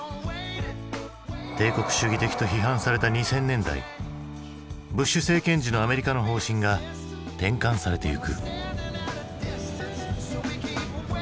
帝国主義的と批判された２０００年代ブッシュ政権時のアメリカの方針が転換されてゆく。